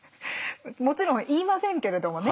もちろん言いませんけれどもね。